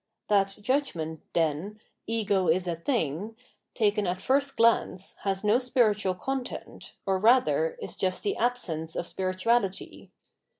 That judgment, then, "ego is a thing" taken at first glance, has no spiritual content, or rather, is just the absence of spirituality.